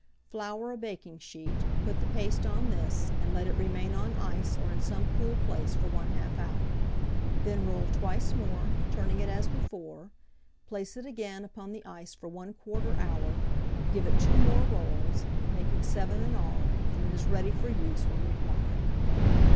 Flour a baking sheet, put the paste on this, and let it remain on ice or in some cool place for 1/2 hour; then roll twice more, turning it as before; place it again upon the ice for 1/4 hour, give it 2 more rolls, making 7 in all, and it is ready for use when required.